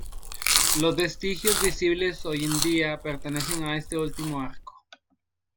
Los vestigios visibles hoy en día pertenecen a este último arco.